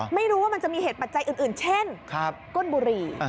ไม่รู้ว่ามันจะมีเหตุปัจจัยอื่นเช่นก้นบุหรี่